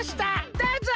どうぞ！